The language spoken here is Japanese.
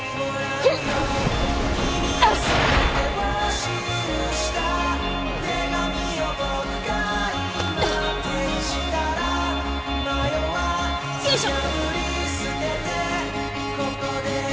んっ！よいしょ！